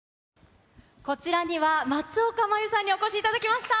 こちらには、松岡茉優さんにお越しいただきました。